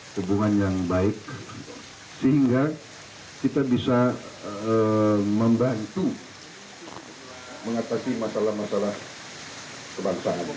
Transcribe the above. hubungan yang baik sehingga kita bisa membantu mengatasi masalah masalah kebangsaan